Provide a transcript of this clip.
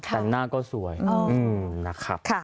แต่งหน้าก็สวยนะครับ